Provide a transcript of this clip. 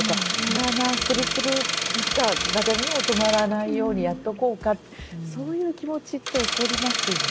なあなあするする止まらないようにやっておこうかそういう気持ちって起こりますよね。